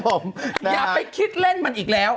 ผมอย่าไปคิดเล่นมันอีกแล้ว